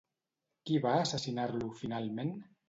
Qui va assassinar-lo finalment?